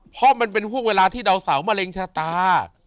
เพราะมันเป็นห่วงเวลาที่ดาวเสามะเร็งชะตา